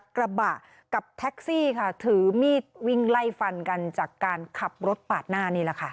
กระบะกับแท็กซี่ค่ะถือมีดวิ่งไล่ฟันกันจากการขับรถปาดหน้านี่แหละค่ะ